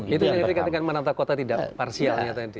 itu yang dikatakan menata kota tidak parsialnya tadi